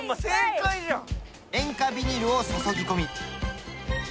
塩化ビニルを注ぎ込み。